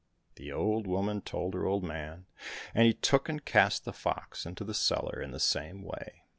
The old woman told her old man, and he took and cast the fox into the cellar in the same way.